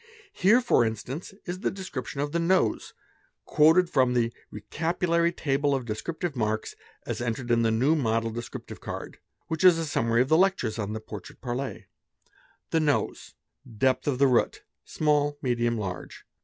Here for instance is the description of the nose, quoted from the ; Recapitulary table of descriptive marks, as entered in the new model ;: sscriptive card,' which is a summary of the lectures on the ' Portrait li" HE Nose.—Depth of the root: small, medium, large.